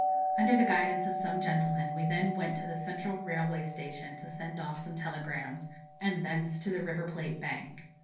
Under the guidance of some gentlemen, we then went to the Central Railway Station to send off some telegrams, and thence to the River Plate Bank.